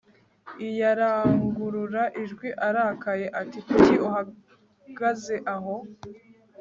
i yarangurura ijwi arakaye ati kuki uhagaze aho